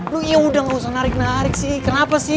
lu yaudah gak usah narik narik sih kenapa sih